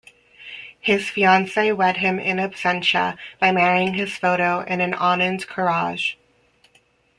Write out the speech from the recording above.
His fiance wed him in absentia by marrying his photo in an Anand Karaj.